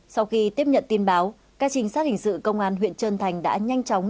sau khi tiếp nhận tin báo các trinh sát hình sự công an huyện trân thành đã nhanh chóng